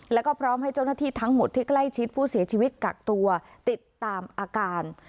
แล้วก็พร้อมให้เจ้าหน้าที่ทั้งหมดที่ใกล้ชิดผู้เสียชีวิตกักตัวติดตามอาการ